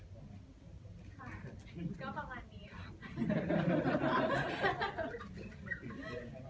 ค่ะก็ประมาณนี้ค่ะ